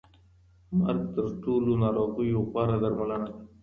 مرګ تر ټولو ناروغیو غوره درملنه ده.